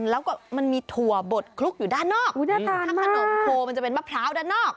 แล้วก็มันมีถั่วบดคลุกอยู่ด้านนอกทำขนมโคมันจะเป็นมะพร้าวด้านนอก